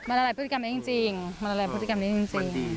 มันละลายพฤติกรรมนี้จริงมันละลายพฤติกรรมนี้จริง